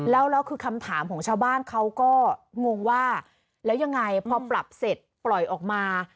แล้วคือคำถามของชาวบ้านเขาก็งงว่าแล้วยังไงพอปรับเสร็จปล่อยออกมา